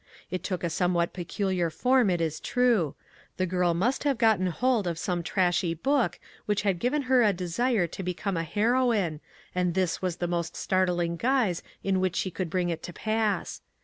It took a somewhat peculiar form, it is true ; the girl must have gotten hold of some trashy book, which had given her a desire to become a heroine, and this was the most startling guise in which she could bring it to pass.